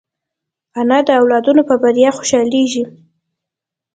انا د اولادونو په بریا خوشحالېږي